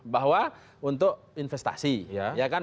bahwa untuk investasi ya kan